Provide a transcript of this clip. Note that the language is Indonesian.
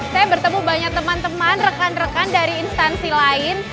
saya bertemu banyak teman teman rekan rekan dari instansi lain